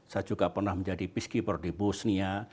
saya juga pernah menjadi peacekeeper di bosnia